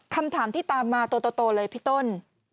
คำถามที่ตามมาตัวเลยพี่ต้น